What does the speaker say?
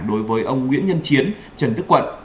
đối với ông nguyễn nhân chiến trần đức quận